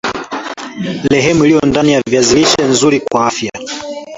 lehemu iliyo ndani ya viazi lisheni nzuri kwa afya